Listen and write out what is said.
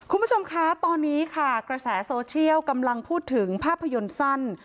คุณผู้ชมคะตอนนี้ค่ะกระแสโซเชียลกำลังพูดถึงภาพยนตร์สั้น